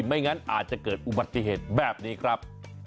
ไม่งั้นอาจจะเกิดอุบัติเหตุแบบนี้ครับ